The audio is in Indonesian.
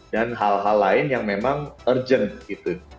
dan hal hal lain yang memang urgent gitu